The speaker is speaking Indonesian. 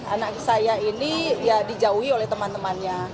anak saya ini ya dijauhi oleh teman temannya